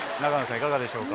いかがでしょうか？